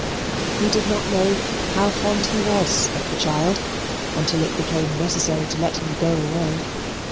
He did not know how fond he was of the child until it became necessary to let him go away.